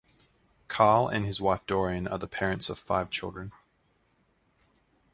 Carl and his wife, Dorian, are the parents of five children.